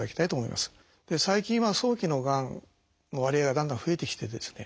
最近は早期のがんの割合がだんだん増えてきてですね